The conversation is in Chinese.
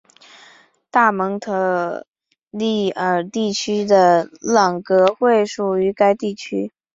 大蒙特利尔地区的朗格惠属于该地区。